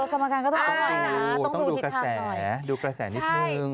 กรรมการก็ต้องต้องไว้นะต้องดูกระแสนิดหนึ่ง